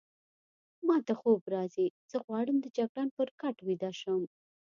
ما ته خوب راځي، زه غواړم د جګړن پر کټ ویده شم.